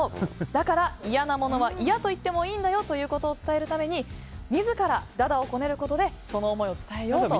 だから嫌なものは嫌と言ってもいいんだよということを伝えるために自ら駄々をこねることでその思いを伝えようと。